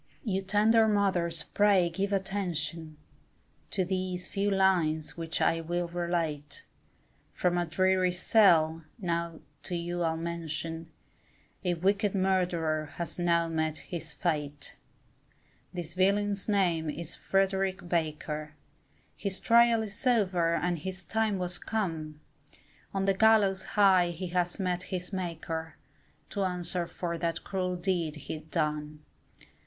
You tender mothers pray give attention, To these few lines which I will relate, From a dreary cell, now to you I'll mention, A wicked murderer has now met his fate; This villain's name it is Frederick Baker, His trial is over and his time was come! On the gallows high he has met his Maker, To answer for that cruel deed he'd done.